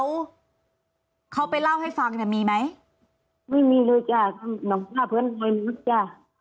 เขาเขาไปเล่าให้ฟังแต่มีไหมไม่มีเลยจ้ะน้องกล้าเพื่อนเฮ้ยมักจ้ะ